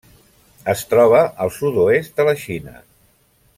Es troba al sud-oest de la Xina.